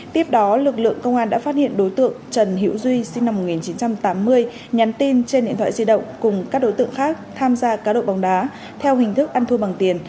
tiếp đó lực lượng công an đã phát hiện đối tượng trần hữu duy sinh năm một nghìn chín trăm tám mươi nhắn tin trên điện thoại di động cùng các đối tượng khác tham gia cá độ bóng đá theo hình thức ăn thua bằng tiền